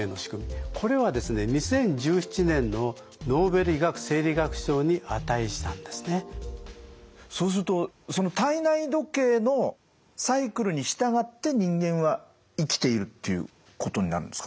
これはですねそうするとその体内時計のサイクルに従って人間は生きているっていうことになるんですかね？